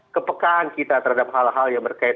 kepekaan kita terhadap hal hal yang berkaitan